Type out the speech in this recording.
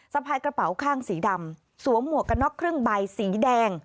สะพายกระเป๋าข้างสีดำสวมหมวกกระน็อกครึ่งใบสีแดง